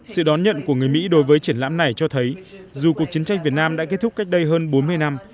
sự đón nhận của người mỹ đối với triển lãm này cho thấy dù cuộc chiến tranh việt nam đã kết thúc cách đây hơn bốn mươi năm